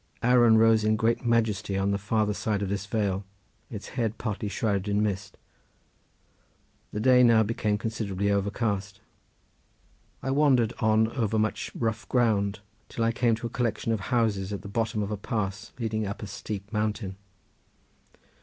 Arran rose in great majesty on the farther side of this vale, its head partly shrouded in mist. The day now became considerably overcast. I wandered on over much rough ground till I came to a collection of houses at the bottom of a pass leading up a steep mountain.